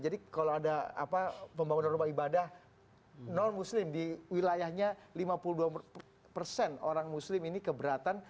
jadi kalau ada pembangunan rumah ibadah non muslim di wilayahnya lima puluh dua persen orang muslim ini keberatan